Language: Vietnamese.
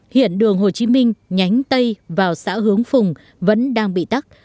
hiện đường hồ chí minh nhánh tây vào xã hướng phùng vẫn đang bị tắt